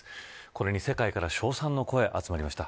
これに、世界から称賛の声が集まりました。